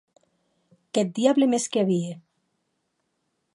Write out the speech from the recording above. Qu’eth diable me hesque a vier!